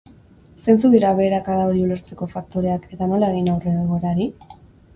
Zeintzuk dira beherakada hori ulertzeko faktoreak eta nola egin aurre egoerari?